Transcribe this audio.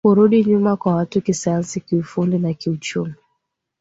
kurudi nyuma kwa watu kisayansi kiufundi na kiuchumi